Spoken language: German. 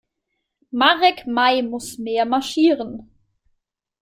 Marek Mai muss mehr marschieren.